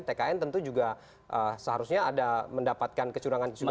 tkn tentu juga seharusnya ada mendapatkan kecurangan kecurangan